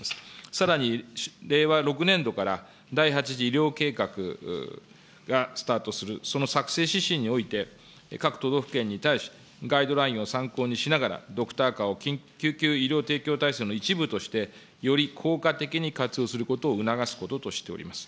さらに、令和６年度から第８次医療計画がスタートする、その作成指針において、各都道府県に対し、ガイドラインを参考にしながら、ドクターカーを救急医療体制の一部として、より効果的に活用することを促すこととしております。